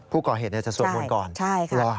ผู้ก่อเหตุจะสวดมนตร์ก่อนรอใช่ค่ะ